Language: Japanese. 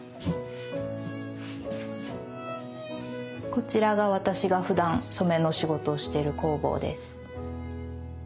こちらが私がふだん染めの仕事をしてる工房です。